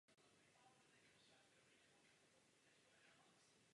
Rybník je součástí areálu sloužícího pro sportovní rybolov.